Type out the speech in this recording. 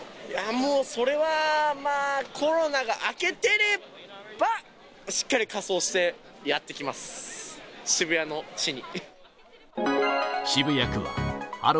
もうそれは、まあ、コロナが明けてれば、しっかり仮装してやって来ます、渋谷の地に。